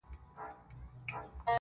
څومره بلند دی.